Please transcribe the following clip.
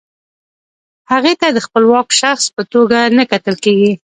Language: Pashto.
هغې ته د خپلواک شخص په توګه نه کتل کیږي.